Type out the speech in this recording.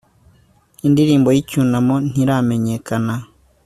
indirimbo y'icyunamo ntiramenyekana